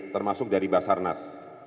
termasuk dari basarnas